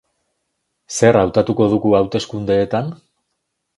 Zer hautatuko dugu hauteskundeetan?